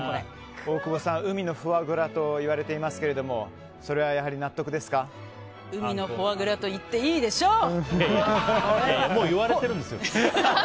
大久保さん、海のフォアグラといわれていますが海のフォアグラともう言われてるんですよ。